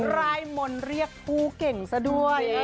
รายมนต์เรียกผู้เก่งซะด้วย